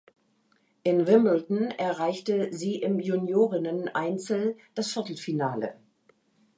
Im Wimbledon erreichte sie im Juniorinneneinzel das Viertelfinale.